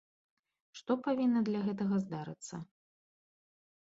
Што павінна для гэтага здарыцца?